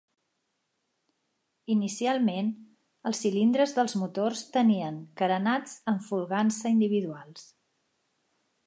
Inicialment, els cilindres dels motors tenien carenats amb folgança individuals.